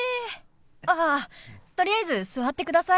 あっとりあえず座ってください。